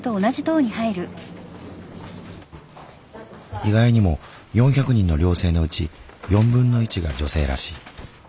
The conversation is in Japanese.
意外にも４００人の寮生のうち1/4が女性らしい。